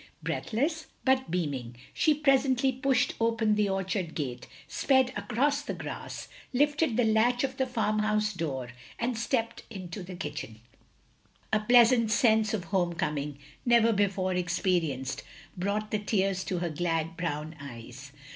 Breathless, but beaming, she presently pushed open the orchard gate, sped across the grass, lifted the latch of the farmhouse door, and stepped into the kitchen. A pleasant sense of home coming, never before experienced, brought the tears to her glad brown eyes.